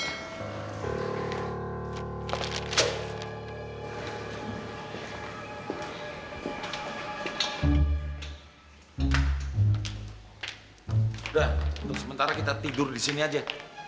sudah untuk sementara kita tidur di sini aja